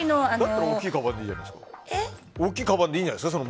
だったら大きいかばんでいいんじゃないですか？